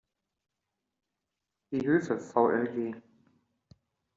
Die Höfe vlg.